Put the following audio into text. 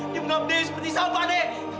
dia mengabdein seperti sampah nek